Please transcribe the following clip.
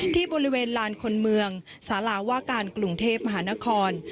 ที่บริเวณลานคนเมืองสาราว่าการกรุงเทพมหานคร